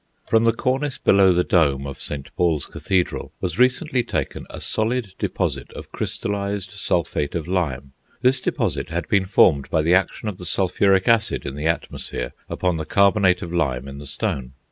From the cornice below the dome of St. Paul's Cathedral was recently taken a solid deposit of crystallised sulphate of lime. This deposit had been formed by the action of the sulphuric acid in the atmosphere upon the carbonate of lime in the stone.